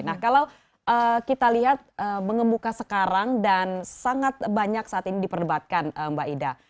nah kalau kita lihat mengemuka sekarang dan sangat banyak saat ini diperdebatkan mbak ida